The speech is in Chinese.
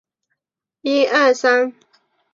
库页堇菜为堇菜科堇菜属的植物。